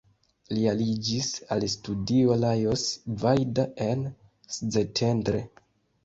Li aliĝis al studio Lajos Vajda en Szentendre.